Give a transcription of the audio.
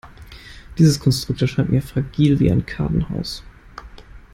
Dieses Konstrukt erscheint mir fragil wie ein Kartenhaus.